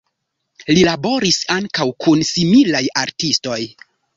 Li laboris ankaŭ kun similaj artistoj.